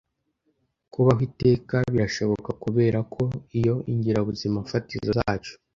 Kubaho iteka birashoboka kubera ko iyo ingirabuzimafatizo zacu